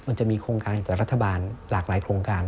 มันจะมีโครงการจากรัฐบาลหลากหลายโครงการ